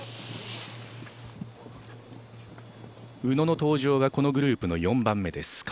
宇野の登場はこのグループの４番目です。